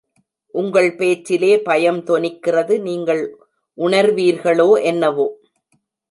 உங்கள் பேச்சிலே பயம் தொனிக்கிறது, நீங்கள் உணர்வீர்களோ, என்னவோ?